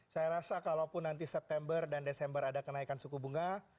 saya rasa kalaupun nanti september dan desember ada kenaikan suku bunga